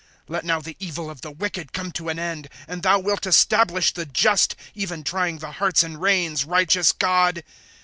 * Let now the evil of the wicked come to an end ; And thou wilt establish the just. Even trying the hearts and reins, Righteous God